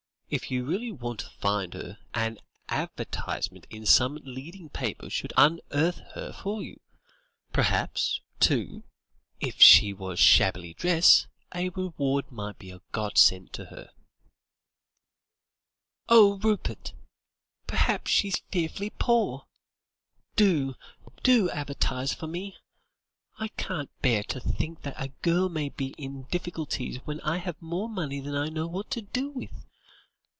If you really want to find her, an advertisement in some leading paper should unearth her for you. Perhaps, too, if she was shabbily dressed, a reward might be a god send to her." "Oh, Rupert! perhaps she's fearfully poor. Do, do advertise for me. I can't bear to think that a girl may be in difficulties when I have more money than I know what to do with.